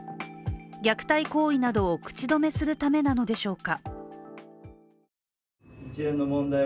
虐待行為などを口止めするためなのでしょうか。